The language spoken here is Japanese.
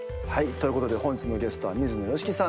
ということで本日のゲストは水野良樹さん